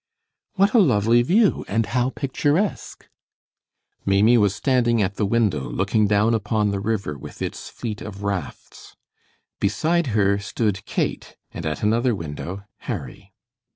"What a lovely view, and how picturesque!" Maimie was standing at the window looking down upon the river with its fleet of rafts. Beside her stood Kate, and at another window Harry.